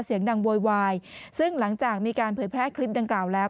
เสียงดังโวยวายซึ่งหลังจากมีการเผยแพร่คลิปดังกล่าวแล้ว